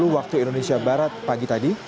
waktu indonesia barat pagi tadi